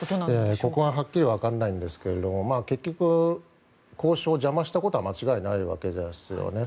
ここははっきり分からないんですけれども結局、交渉を邪魔したことは間違いないわけですよね。